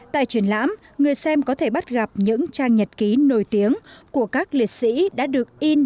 tại triển lãm người xem có thể bắt gặp những trang nhật ký nổi tiếng của các liệt sĩ đã được in